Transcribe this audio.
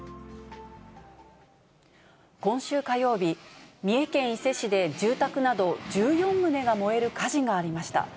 今週火曜日、三重県伊勢市で、住宅など１４棟が燃える火事がありました。